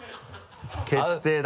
決定だ。